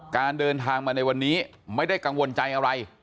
การเดินทางมาในวันนี้ไม่ได้กังวลใจอะไร